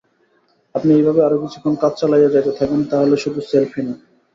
আপনি এইভাবে আরও কিছুক্ষণ কাজ চালায়া যাইতে থাকেন, তাইলে শুধু সেলফি না।